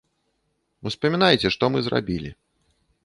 Успамінайце, што мы зрабілі.